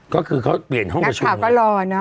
ก็คือเค้าเปลี่ยนห้องประชุมนั้นนักข่าวก็รอันนั้น